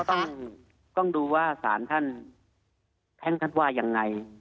ต้องดูว่าสารท่านแพ่งท่านว่ายังไง